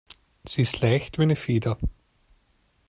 Sie ist leicht wie eine Feder.